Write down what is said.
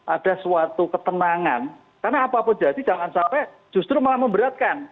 ada suatu ketenangan karena apapun jadi jangan sampai justru malah memberatkan